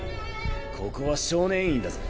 ここは少年院だぞ。